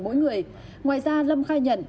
mỗi người ngoài ra lâm khai nhận